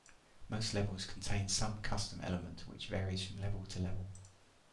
Most levels contain some custom element, which varies from level to level.